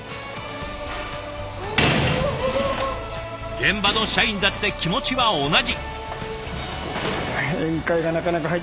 現場の社員だって気持ちは同じ。